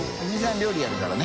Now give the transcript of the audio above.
料理やるからね。